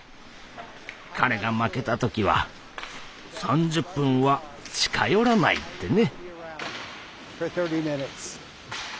彼が負けた時は３０分は近寄らないってね。